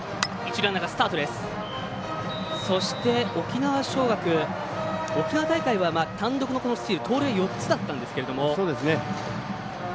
そして、沖縄尚学沖縄大会は、単独のスチール盗塁は４つでしたが。